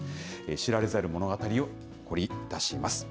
知られざる物語を掘り出します。